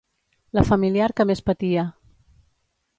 La familiar que més patia.